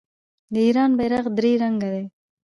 د ایران بیرغ درې رنګه دی.